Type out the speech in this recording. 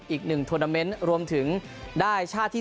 อีก๑ทรวมถึงได้ชาติที่๔